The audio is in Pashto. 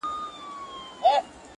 o څوک به نو څه رنګه اقبا وویني.